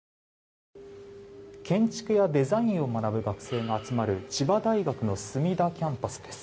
建築やデザインを学ぶ学生が集まる千葉大学の墨田キャンパスです。